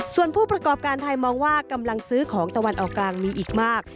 ส่วนผู้ประกอบการไทยมองว่ากำลังซื้อของตะวันออกกลางมีอีกมาก